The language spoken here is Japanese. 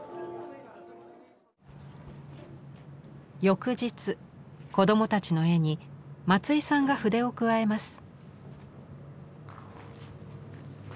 翌日子供たちの絵に松井さんが筆を加えます。